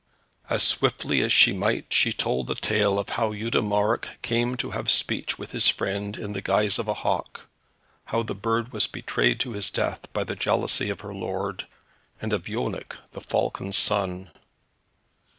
As swiftly as she might she told the tale of how Eudemarec came to have speech with his friend in the guise of a hawk; how the bird was betrayed to his death by the jealousy of her lord; and of Yonec the falcon's son.